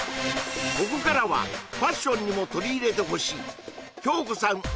ここからはファッションにも取り入れてほしいきょうこさん